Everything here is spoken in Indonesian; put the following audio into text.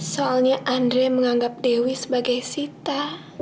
soalnya andre menganggap dewi sebagai sita